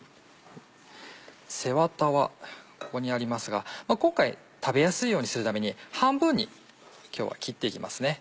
背ワタはここにありますが今回食べやすいようにするために半分に今日は切って行きますね。